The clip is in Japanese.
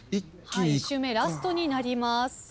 １周目ラストになります。